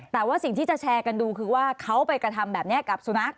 แต่ว่าสิ่งที่จะแชร์กันดูคือว่าเขาไปกระทำแบบนี้กับสุนัข